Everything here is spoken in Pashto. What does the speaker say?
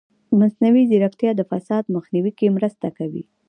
مصنوعي ځیرکتیا د فساد مخنیوي کې مرسته کوي.